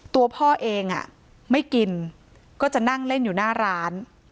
ตัวพ่อเองไม่กินก็จะนั่งเล่นอยู่หน้าร้าน